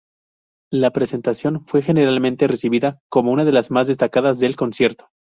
La presentación fue generalmente recibida como una de las más destacadas del concierto.